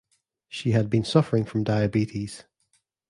She had been suffering from diabetes.